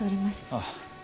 ああ。